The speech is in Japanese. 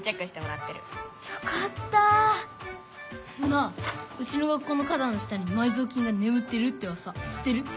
なあうちの学校の花だんの下に埋蔵金がねむってるってうわさ知ってる？